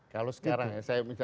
kalau sekarang ya